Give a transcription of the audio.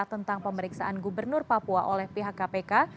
tentang pemeriksaan gubernur papua oleh pihak kpk